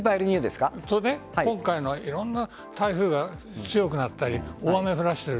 今回いろんな台風が強くなったり大雨降らせている。